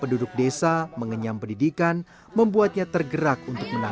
pemerintah di jodoh tersebut menyebutnya desa pembangunan daerah